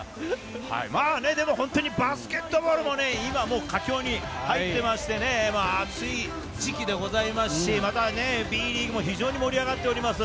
まぁね、でもバスケットボールもね、今もう佳境に入っていましてね、熱い時期でございますし、またねＢリーグも盛り上がっています。